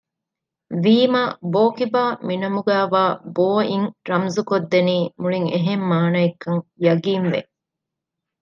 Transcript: ވީމާ ބޯކިބާ މިނަމުގައިވާ ބޯ އިން ރަމުޒުކޮށްދެނީ މުޅިން އެހެން މާނައެއްކަން ޔަޤީން ވެ